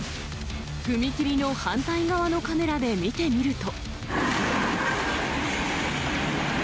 踏切の反対側のカメラで見てみると。